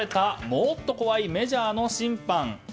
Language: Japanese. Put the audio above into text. もっと怖いメジャーの審判。